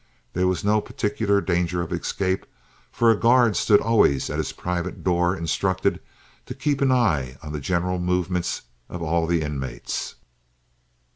There was no particular danger of escape, for a guard stood always at his private door instructed "to keep an eye" on the general movements of all the inmates.